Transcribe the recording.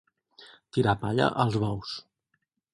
Tirar palla als bous.